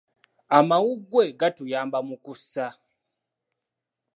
Amawuggwe gatuyamba mu kussa.